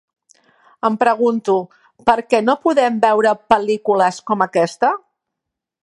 Em pregunto, per què no podem veure pel·lícules com aquesta?